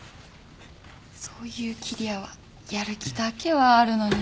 そういう桐矢はやる気だけはあるのにね。